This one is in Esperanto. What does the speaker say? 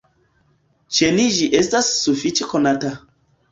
Ĉe ni ĝi estas sufiĉe konata.